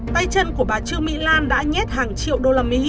tay chân của bà trương mỹ lan đã nhét hàng triệu đô la mỹ